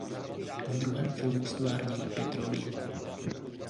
V druhém filmu ztvárnila pět rolí.